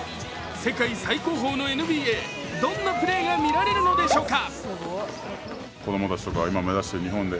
世界最高峰のＮＢＡ、どんなプレーが見られるのでしょうか。